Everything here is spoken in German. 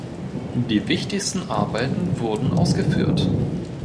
Die wichtigsten Arbeiten wurden ausgeführt.